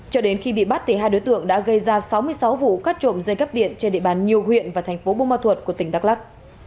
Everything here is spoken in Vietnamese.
cho đến khi bị bắt hai đối tượng đã gây ra sáu mươi sáu vụ cắt trộm dây cắp điện trên địa bàn nhiều huyện và thành phố bù ma thuật của tỉnh đắk lắc